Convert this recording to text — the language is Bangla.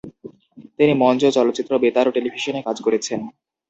তিনি মঞ্চ, চলচ্চিত্র, বেতার ও টেলিভিশনে কাজ করেছেন।